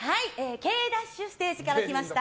ケイダッシュステージから来ました